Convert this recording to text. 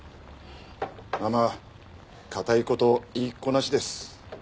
ママ固い事言いっこなしです。